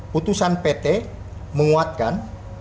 putusan pt menguatkan